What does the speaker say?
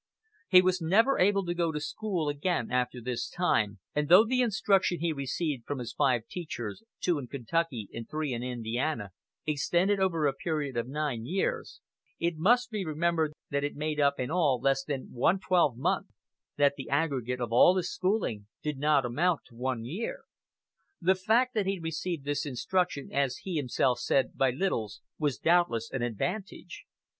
He was never able to go to school again after this time, and though the instruction he received from his five teachers two in Kentucky and three in Indiana extended over a period of nine years, it must be remembered that it made up in all less than one twelve month; "that the aggregate of all his schooling did not amount to one year." The fact that he received this instruction, as he himself said, "by littles," was doubtless an advantage.